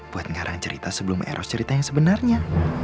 buat ngarang cerita sebelum eros cerita yang sebenarnya